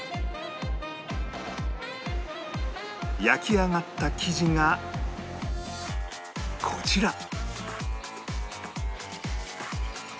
焼き上がった生地がこちら